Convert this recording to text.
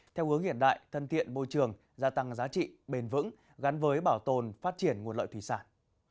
theo hướng hiện đại thân thiện môi trường gia tăng giá trị bền vững gắn với bảo tồn phát triển nguồn lợi thủy sản